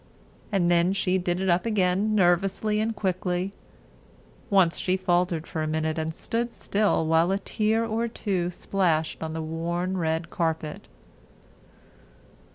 And then she did it up again nervously and quickly. Once she faltered for a minute and stood still while a tear or two splashed on the worn red carpet.